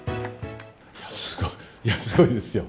すごい、いや、すごいですよ。